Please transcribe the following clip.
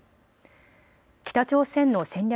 北朝鮮の戦略